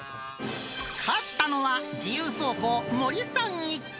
勝ったのは自由走行、森さん一家。